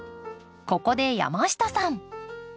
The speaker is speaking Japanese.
ここで山下さん。